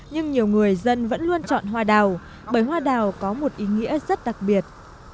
nhưng nhiều người dân vẫn luôn chọn hoa đào bởi hoa đào có một ý nghĩa rất đặc biệt